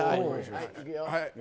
いくよ。